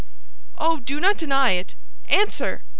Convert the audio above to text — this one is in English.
"Oh, do not deny it! Answer!"